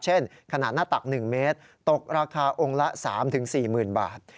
ขนาดหน้าตัก๑เมตรตกราคาองค์ละ๓๔๐๐๐บาท